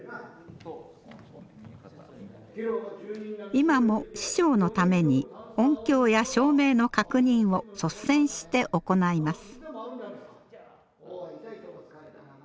今も師匠のために音響や照明の確認を率先して行います。